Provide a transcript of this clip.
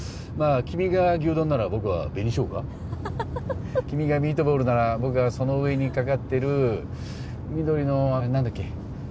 まあ君が牛丼なら僕は紅しょうが君がミートボールなら僕はその上にかかってる緑のあれ何だっけ？